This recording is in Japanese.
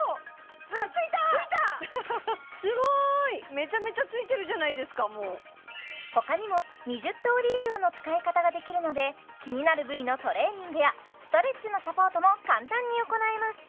めちゃめちゃついてるじゃないですかもう他にも２０通り以上の使い方ができるので気になる部位のトレーニングやストレッチのサポートも簡単に行えます